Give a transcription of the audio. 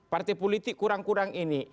partai politik kurang kurang ini